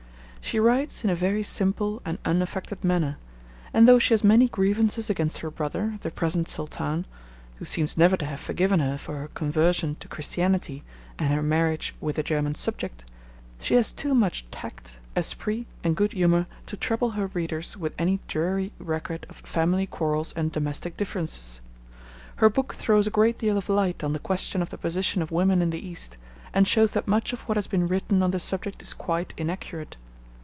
She writes in a very simple and unaffected manner; and though she has many grievances against her brother, the present Sultan (who seems never to have forgiven her for her conversion to Christianity and her marriage with a German subject), she has too much tact, esprit, and good humour to trouble her readers with any dreary record of family quarrels and domestic differences. Her book throws a great deal of light on the question of the position of women in the East, and shows that much of what has been written on this subject is quite inaccurate.